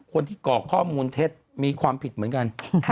คนที่ก่อข้อมูลเทสมีความผิดเหมือนกัน